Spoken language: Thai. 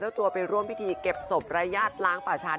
เจ้าตัวเป็นร่วมพิธีเก็บสบรายยาฆร้างปะชาติ